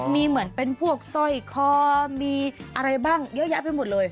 มีเหมือนเป็นพวกสร้อยคอมีอะไรบ้างเยอะแยะไปหมดเลย